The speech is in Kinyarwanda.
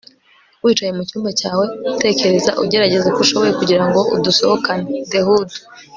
wicaye mucyumba cyawe utekereza, ugerageza uko ushoboye kugirango udusohokane 'the hood